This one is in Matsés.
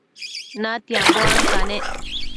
natianbo ancanec